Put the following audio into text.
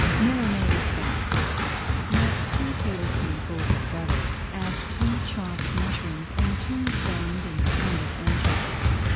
MILANAISE SAUCE Melt two tablespoonfuls of butter, add two chopped mushrooms and two boned and pounded anchovies.